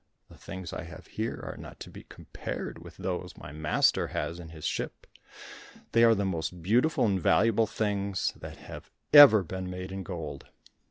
The things I have here are not to be compared with those my master has in his ship. They are the most beautiful and valuable things that have ever been made in gold."